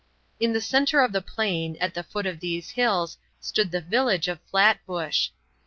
In the center of the plain, at the foot of these hills, stood the village of Flatbush.